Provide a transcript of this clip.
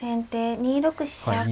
２六飛車と。